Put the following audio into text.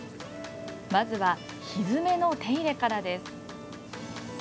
まずはひづめの手入れからです。